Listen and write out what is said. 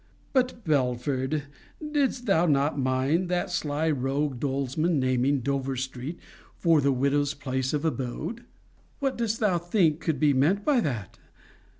But, Belford, didst thou not mind that sly rogue Doleman's naming Dover street for the widow's place of abode? What dost thou think could be meant by that?